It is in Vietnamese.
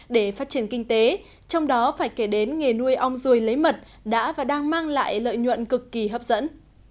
để phát triển kinh tế trong đó phải kể đến nghề nuôi ong ruồi lấy mật đã và đang mang lại lợi nhuận cực kỳ hấp dẫn